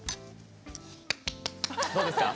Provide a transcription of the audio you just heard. どうですか？